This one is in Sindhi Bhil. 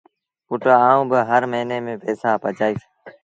پُٽ آئوٚݩ با هر موهيݩي ميݩ پئيٚسآ بچآئيٚس۔